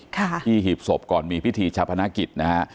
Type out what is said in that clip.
ที่หีบศพก่อนมีพิธีชาพนาคิดนะครับ